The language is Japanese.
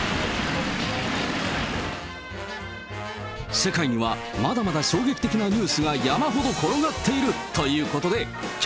世界にはまだまだ衝撃的なニュースが山ほど転がっている。